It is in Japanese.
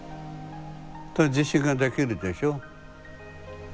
自信ができるでしょ。